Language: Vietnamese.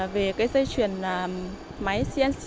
về dây chuyển máy cnc